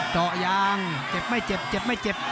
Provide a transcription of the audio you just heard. เจาะยางเจ็บไม่เจ็บเจ็บไม่เจ็บ